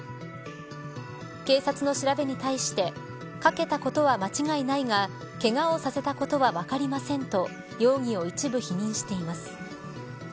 警察の調べに対してかけたことは間違いないがけがをさせたことは分かりませんと容疑を一部、否認しています